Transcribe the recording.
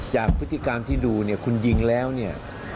พฤติการที่ดูเนี่ยคุณยิงแล้วเนี่ย